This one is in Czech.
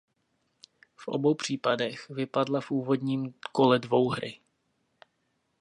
V obou případech vypadla v úvodním kole dvouhry.